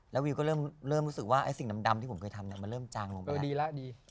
แล้ววิวก็เริ่มรู้สึกว่าสิ่งดำที่ผมเคยทำเริ่มจางลงไปละ